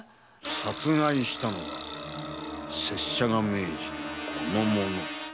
殺害したのは拙者が命じたこの者。